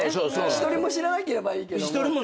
１人も知らなければいいけども。